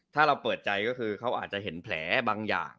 ถ้าเราเปิดใจก็คือเขาอาจจะเห็นแผลบางอย่าง